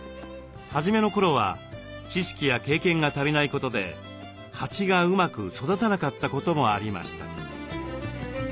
初めの頃は知識や経験が足りないことで蜂がうまく育たなかったこともありました。